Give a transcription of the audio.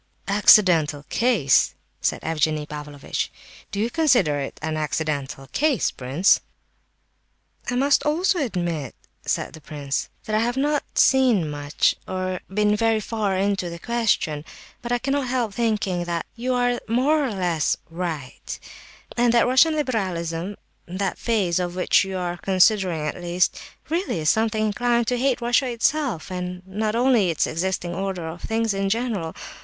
"Accidental case!" said Evgenie Pavlovitch. "Do you consider it an accidental case, prince?" "I must also admit," said the prince, "that I have not seen much, or been very far into the question; but I cannot help thinking that you are more or less right, and that Russian liberalism—that phase of it which you are considering, at least—really is sometimes inclined to hate Russia itself, and not only its existing order of things in general.